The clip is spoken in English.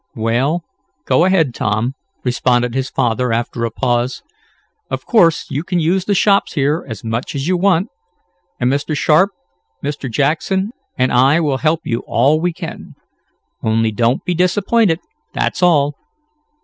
"Well, go ahead, Tom," responded his father, after a pause. "Of course you can use the shops here as much as you want, and Mr. Sharp, Mr. Jackson, and I will help you all we can. Only don't be disappointed, that's all."